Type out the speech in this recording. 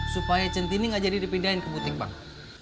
supaya centini nggak jadi dipindahin ke butik bang